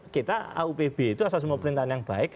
kita aupb itu asas pemerintahan yang baik